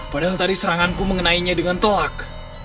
padahal tadi seranganku mengenainya dengan tolak